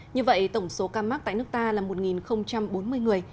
như vậy tổng số ca mắc tại nước ta là một bốn mươi người